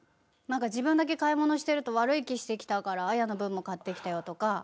「何か自分だけ買い物してると悪い気してきたから彩の分も買ってきたよ」とか。